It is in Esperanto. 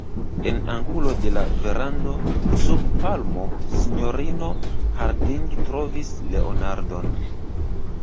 En angulo de la verando, sub palmo, sinjorino Harding trovis Leonardon.